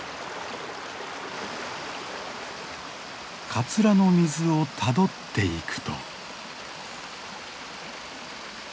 カツラの水をたどっていくと。